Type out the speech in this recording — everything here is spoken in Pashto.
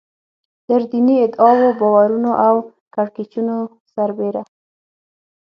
تر دیني ادعاوو، باورونو او کړکېچونو سربېره.